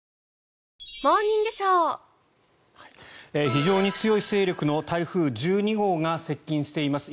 非常に強い勢力の台風１２号が接近しています